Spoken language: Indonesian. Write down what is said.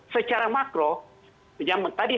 secara makro yang tadi